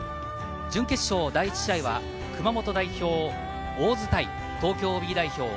準決勝第１試合は熊本代表・大津対東京Ｂ代表